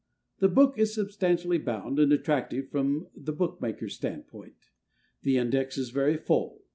The book is substantially bound and attractive from the bookmaker's standpoint. The index is very full.